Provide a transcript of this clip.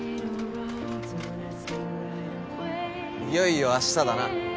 いよいよあしただな。